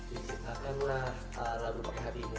diciptakanlah lagu pakai hatimu